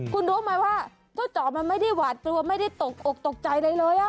คุณรู้ไหมว่าเจ้าจ๋อมันไม่ได้หวาดกลัวไม่ได้ตกอกตกใจอะไรเลย